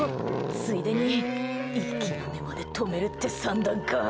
ついでに息の根まで止めるって算段か。